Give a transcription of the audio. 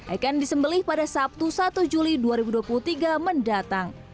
akan disembelih pada sabtu satu juli dua ribu dua puluh tiga mendatang